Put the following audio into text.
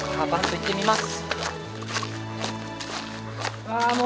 行ってきます。